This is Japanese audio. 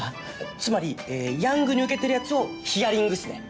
つまりヤングにウケてるやつをヒアリングっすね！